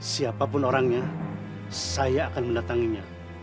siapapun orangnya saya akan mendatanginya